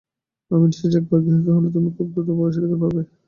আমি নিশ্চিত যে একবার গৃহীত হলে তুমি খুব দ্রুত প্রবেশাধিকার পাবে।